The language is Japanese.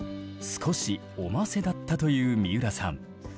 少しおませだったという三浦さん。